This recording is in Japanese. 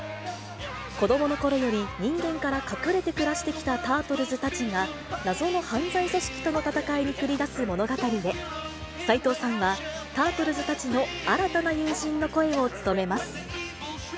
子どものころより人間から隠れて暮らしてきたタートルズたちが、謎の犯罪組織との戦いに繰り出す物語で、齊藤さんはタートルズたちの新たな友人の声を務めます。